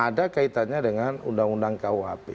ada kaitannya dengan undang undang kuhp